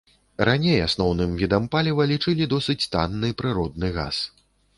Раней асноўным відам паліва лічылі досыць танны прыродны газ.